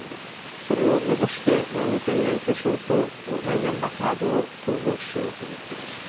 それを目指して、運転免許証とマイナンバーカードを統合しようと思っています。